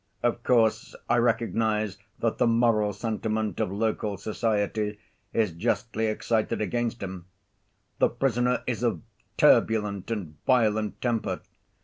Of course I recognize that the moral sentiment of local society is justly excited against him. The prisoner is of turbulent and violent temper.